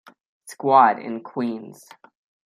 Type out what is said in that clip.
Squad in Queens.